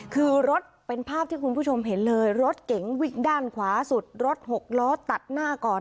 คือรถเป็นภาพที่คุณผู้ชมเห็นเลยรถเก๋งวิ่งด้านขวาสุดรถหกล้อตัดหน้าก่อน